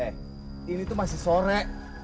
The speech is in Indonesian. eh ini tuh masih sore